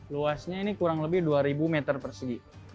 luasnya ini kurang lebih dua ribu meter persegi